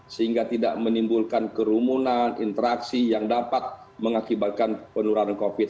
sehingga tidak menimbulkan kerumunan interaksi yang dapat mengakibatkan penurunan covid sembilan